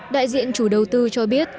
đại diện chủ đầu tư cho biết